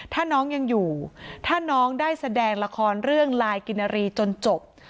ถ้าน้องยังอยู่ถ้าน้องได้แสดงละครเรื่องลายกินนารีจนจบ